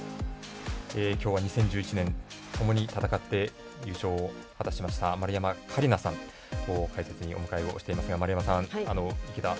今日は２０１１年共に戦って優勝を果たしました丸山桂里奈さんを解説にお迎えしています。